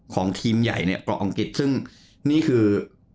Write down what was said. ของทีมใหญ่เนี่ยเกาะอังกฤษซึ่งนี่คือ